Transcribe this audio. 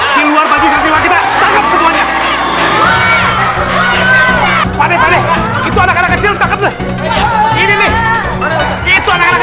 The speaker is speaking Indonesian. yang luar baju tersebut semuanya pada pada itu anak anak kecil takut ini itu anak anak